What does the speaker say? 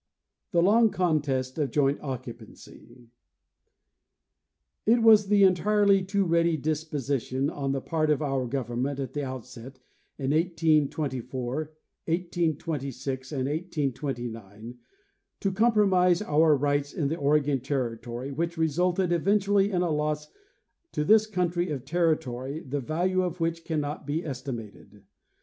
The long Contest of Joint Occupancy 253 It was the entirely too ready disposition on the part of our government at the outset, in 1824, 1826 and 1829, to compro mise our rights in the Oregon territory which resulted event ually in a loss to this country of territory the value of which cannot be estimated.